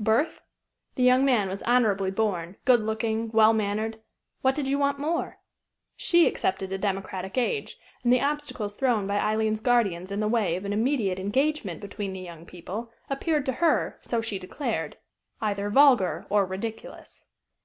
Birth? The young man was honorably born, good looking, well mannered. What did you want more? She accepted a democratic age; and the obstacles thrown by Aileen's guardians in the way of an immediate engagement between the young people appeared to her, so she declared, either vulgar or ridiculous.